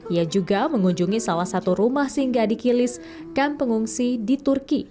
ia juga mengunjungi salah satu rumah singgah di kilis dan pengungsi di turki